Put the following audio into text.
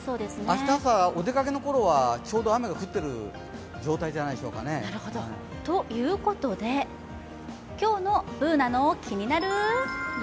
明日朝、お出かけのころはちょうど雨が降っている状態じゃないでしょうかね。ということで今日の「ＢｏｏｎａのキニナルＬＩＦＥ」。